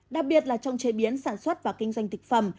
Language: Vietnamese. đặc biệt là trong chế biến sản xuất và kinh doanh thực phẩm